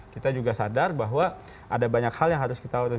kita juga sadar bahwa ada banyak hal yang harus kita